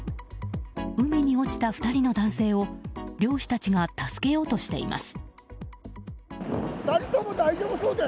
海に落ちた２人の男性を漁師たちが助けようとしています。